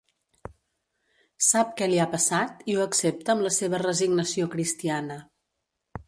Sap què li ha passat i ho accepta amb la seva resignació cristiana.